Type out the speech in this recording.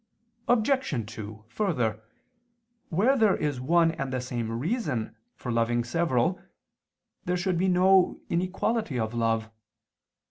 Obj. 2: Further, where there is one and the same reason for loving several, there should be no inequality of love.